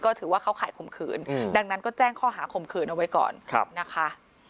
ถือว่าเข้าข่ายข่มขืนดังนั้นก็แจ้งข้อหาข่มขืนเอาไว้ก่อนนะคะ